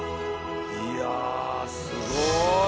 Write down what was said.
いやすごい！